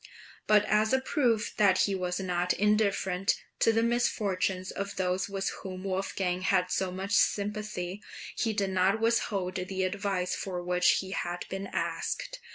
But as a proof that he was not indifferent to the misfortunes of those with whom Wolfgang had so much sympathy, he did not withhold the advice for which he had been asked.